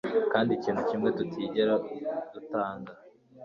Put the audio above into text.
kandi ikintu kimwe tutigera dutanga